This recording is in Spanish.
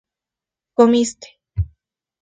comiste